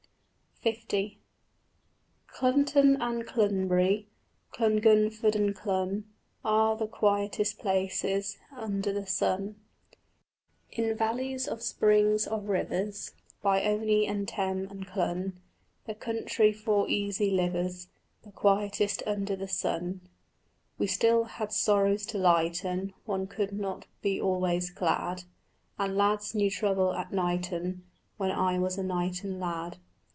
L _ Clunton and Clunbury, Clungunford and Clun, Are the quietest places Under the sun. _ In valleys of springs of rivers, By Ony and Teme and Clun, The country for easy livers, The quietest under the sun, We still had sorrows to lighten, One could not be always glad, And lads knew trouble at Knighton When I was a Knighton lad.